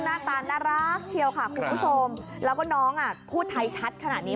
หน้าตาน่ารักเชียวค่ะคุณผู้ชมแล้วก็น้องอ่ะพูดไทยชัดขนาดนี้